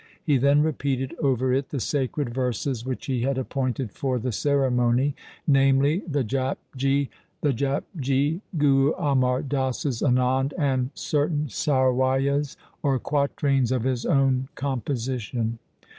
He then repeated over it the sacred verses which he had appointed for the ceremony, namely, the Japji, the Japji, 1 Guru Amar Das's Anand, and certain Sawai yas or quatrains of his own composition.